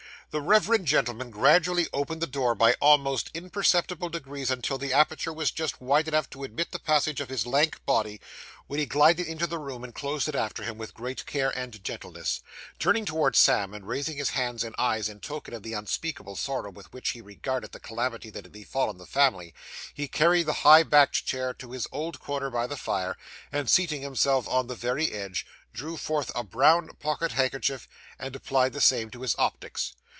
The reverend gentleman gradually opened the door by almost imperceptible degrees, until the aperture was just wide enough to admit of the passage of his lank body, when he glided into the room and closed it after him, with great care and gentleness. Turning towards Sam, and raising his hands and eyes in token of the unspeakable sorrow with which he regarded the calamity that had befallen the family, he carried the high backed chair to his old corner by the fire, and, seating himself on the very edge, drew forth a brown pocket handkerchief, and applied the same to his optics.